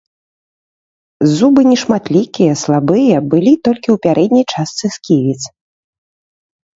Зубы нешматлікія, слабыя, былі толькі ў пярэдняй частцы сківіц.